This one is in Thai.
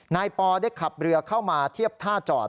ปอได้ขับเรือเข้ามาเทียบท่าจอด